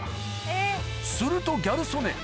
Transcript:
するとギャル曽根